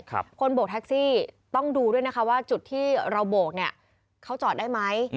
คนโบกแท็กซี่ต้องดูด้วยนะคะว่าจุดที่เราโบกเนี่ยเขาจอดได้ไหม